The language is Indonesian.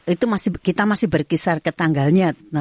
itu kita masih berkisar ke tanggalnya